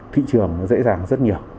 thị trường dễ dàng rất nhiều